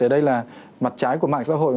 ở đây là mặt trái của mạng xã hội